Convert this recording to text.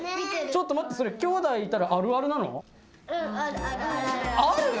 ちょっと待ってそれきょうだいいたら「あるある」なの？